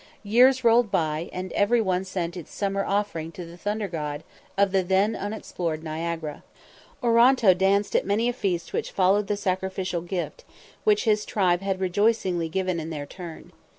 Years rolled by, and every one sent its summer offering to the thunder god of the then unexplored Niagara. Oronto danced at many a feast which followed the sacrificial gift, which his tribe had rejoicingly given in their turn.